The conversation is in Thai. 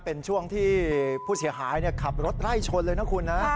เป็นช่วงที่ผู้เสียหายขับรถไล่ชนเลยนะคุณนะ